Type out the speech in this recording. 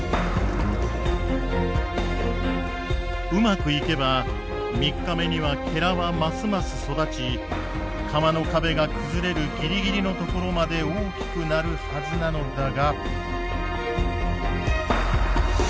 うまくいけば３日目にははますます育ち釜の壁が崩れるギリギリの所まで大きくなるはずなのだが。